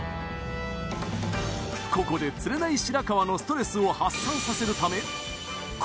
ここで釣れない白川のストレスを発散させるため。